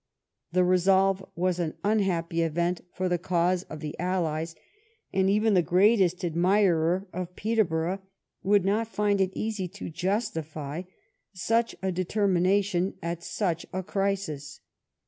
The resolve was an unhappy event for the cause of the allies, and oven the greatest admirer of Peterborough would not find it easy to justify such a determination at such a crisis.